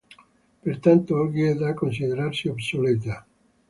Per tanto oggi è da considerarsi obsoleta.